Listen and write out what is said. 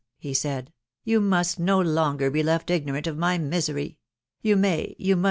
" he said, " you must no longer be left ignomntef my misery .... you may, von. must